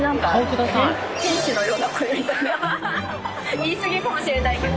言い過ぎかもしれないけど。